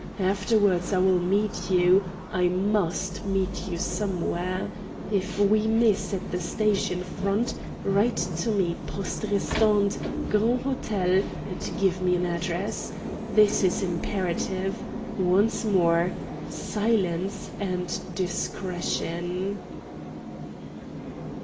Afterwards I will meet you I must meet you somewhere. If we miss at the station front, write to me Poste Restante, Grand Hôtel, and give me an address. This is imperative. Once more, silence and discretion."